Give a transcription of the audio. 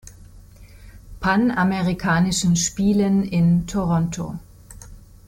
Panamerikanischen Spielen in Toronto.